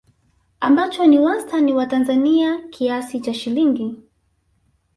ambacho ni wastani wa Tanzania kiasi cha shilingi